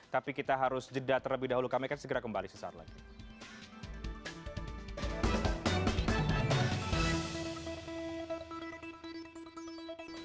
tapi kita harus jeda terlebih dahulu kami akan segera kembali sesaat lagi